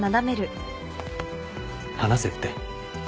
放せって。